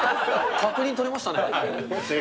確認取れましたね。